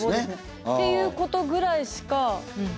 っていうことぐらいしか。